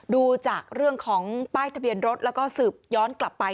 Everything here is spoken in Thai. ดูจากเรื่องของป้ายทะเบียนรถแล้วก็สืบย้อนกลับไป